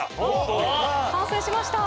完成しました。